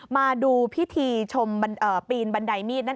มาดูพิธีชมปีนบันไดมีด